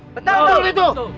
benar orang itu